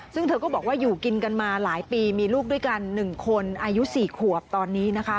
ซึ่งเธอก็บอกว่าอยู่กินกันมาหลายปีมีลูกด้วยกัน๑คนอายุ๔ขวบตอนนี้นะคะ